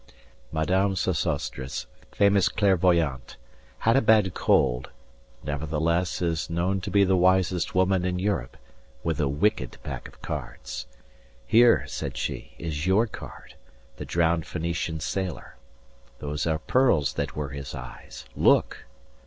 Madame Sosostris, famous clairvoyante, Had a bad cold, nevertheless Is known to be the wisest woman in Europe, 45 With a wicked pack of cards. Here, said she, Is your card, the drowned Phoenician Sailor, (Those are pearls that were his eyes. Look!)